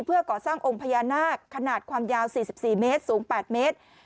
เพื่อก่อสร้างองค์พญานาคขนาดความยาว๔๔เมตรสูง๘เมตร